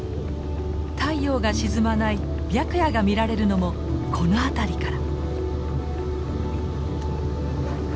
太陽が沈まない白夜が見られるのもこの辺りから。